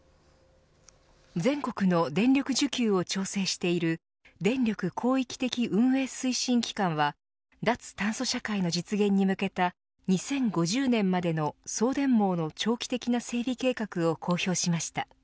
全国の電力需給を調整している電力広域的運営推進機関は脱炭素社会の実現に向けた２０５０年までの送電網の長期的な整備計画を公表しました。